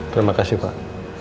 terima kasih pak